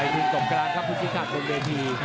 ไอ้หินตกกรานครับพุทธิฆาตบนเวที